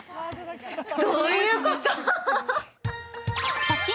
どういうこと？